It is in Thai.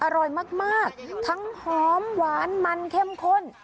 อร่อยมากทั้งหอมหวานมันเข้มข้น